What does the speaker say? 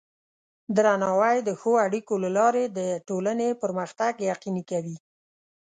درناوی د ښو اړیکو له لارې د ټولنې پرمختګ یقیني کوي.